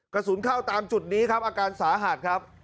กระสุนเข้าตามจุดนี้ครับอาการสาหัสครับ